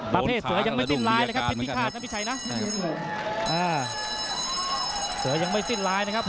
ประเภทเสือยังไม่สิ้นลายเลยครับทิศพิฆาตนะพี่ชัยนะเสือยังไม่สิ้นลายนะครับ